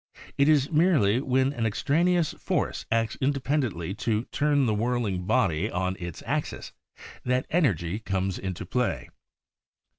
It is merely when an extraneous force acts independently to turn the whirl ing body on its axis that energy comes into play.